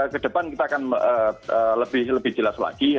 kedepan kita akan lebih jelas lagi